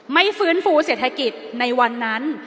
ฟื้นฟูเศรษฐกิจในวันนั้น